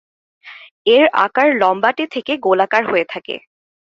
এর আকার লম্বাটে থেকে গোলাকার হয়ে থাকে।